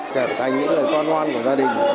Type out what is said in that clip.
trở thành những con ngoan của đời